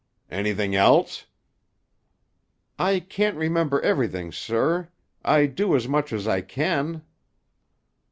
"Anything else?" "I can't remember everything, sir. I do as much as I can."